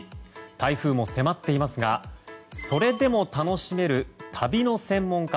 台風も迫っていますがそれでも楽しめる旅の専門家